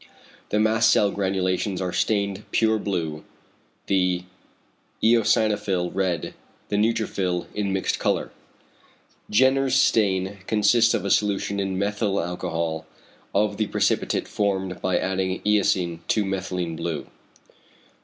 The mast cell granulations are stained pure blue, the eosinophil red, the neutrophil in mixed colour. 6. Jenner's stain consists of a solution in methyl alcohol of the precipitate formed by adding eosine to methylene blue.